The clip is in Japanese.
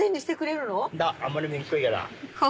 んだあんまりにめんこいから。